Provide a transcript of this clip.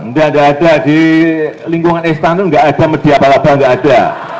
enggak enggak ada di lingkungan istana enggak ada media abal abal enggak ada